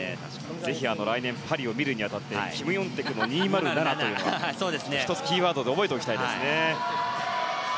ぜひ来年パリを見るに当たってキム・ヨンテクの２０７というのは１つキーワードで覚えておきたいですね。